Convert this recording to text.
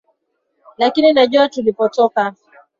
lakini najua tulipotoka